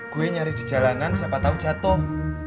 gue nyari di jalanan siapa tahu jatuh